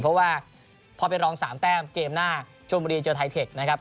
เพราะว่าพอเป็นรอง๓แต้มเกมหน้าชมบุรีเจอไทเทคนะครับ